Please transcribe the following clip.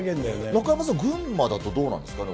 中山さん、群馬だとどうなんですか？